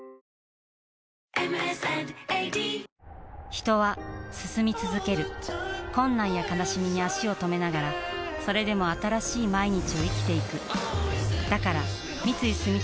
人は進み続ける困難や悲しみに足を止めながらそれでも新しい毎日を生きていくだから三井住友海上は